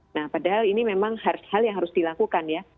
nah padahal ini memang hal yang harus dilakukan ya